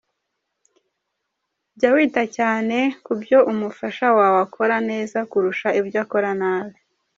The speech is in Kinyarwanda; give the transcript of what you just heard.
Jya wita cyane ku byo umufasha wawe akora neza kuruta ibyo akora nabi.